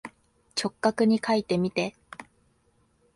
直角にかいてみて。